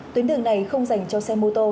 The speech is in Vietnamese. tuyến đường này không dành cho xe mô tô